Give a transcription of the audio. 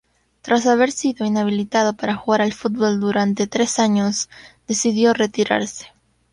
Tras haber sido inhabilitado para jugar al fútbol durante tres años, decidió retirarse.